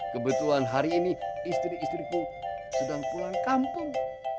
kebetulan hari ini istri istriku sedang pulang kampung